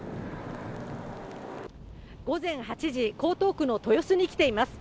午前８時、江東区の豊洲に来ています。